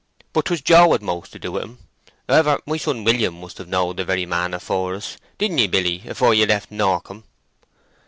"But 'twas Joe had most to do with him. However, my son William must have knowed the very man afore us—didn't ye, Billy, afore ye left Norcombe?"